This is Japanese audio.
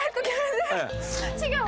違う。